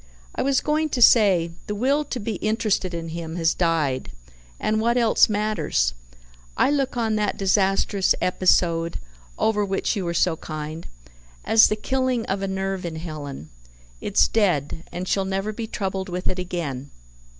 I was going to say, the will to be interested in him has died, and what else matters? I look on that disastrous episode (over which you were so kind) as the killing of a nerve in Helen. It's dead, and she'll never be troubled with it again.